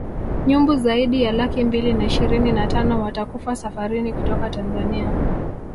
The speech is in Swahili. Nyumbu zaidi ya laki mbili na ishirini na tano watakufa safarini kutoka Tanzania